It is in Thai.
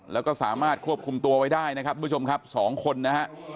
แล้วก็สามารถควบคุมตัวไว้ได้นะครับทุกผู้ชมครับ๒คนนะฮะ